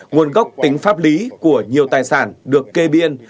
nguồn gốc tính pháp lý của nhiều tài sản được kê biên